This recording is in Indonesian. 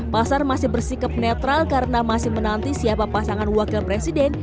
pasar masih bersikap netral karena masih menanti siapa pasangan wakil presiden